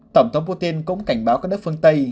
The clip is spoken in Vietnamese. tổng thống putin cũng cảnh báo các nước phương tây